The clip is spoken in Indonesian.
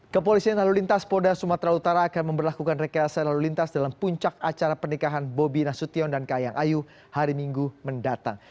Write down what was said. kepolisian lalu lintas polda sumatera utara akan memperlakukan rekayasa lalu lintas dalam puncak acara pernikahan bobi nasution dan kayang ayu hari minggu mendatang